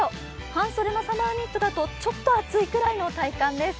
半袖のサマーニットだとちょっと暑いぐらいの体感です。